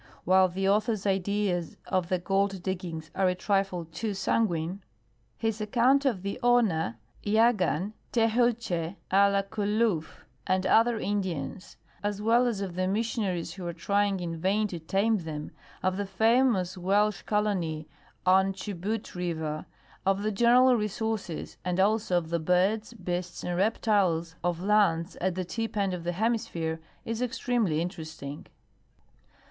While the author's ideas of the gold diggings are a trifle too sanguine, his account of the Ona, Yahgan, Tehuelche, Alaculoof, and other Indians, as well as of the mis sionaries who are tr}dng in vain to tame them, of the famous Welsh colony on Chubut river, of the general resources, and also of the birds, beasts, and reptiles, of lands at thetii^ end of the hemisphere is extremely interesting.